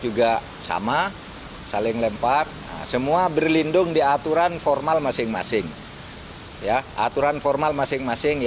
juga sama saling lempar semua berlindung di aturan formal masing masing ya aturan formal masing masing